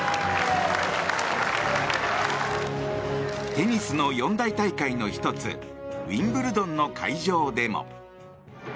テニスの四大大会の１つウィンブルドンの会場でも。